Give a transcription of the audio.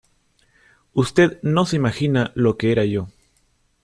Usted no se imagina lo que era yo.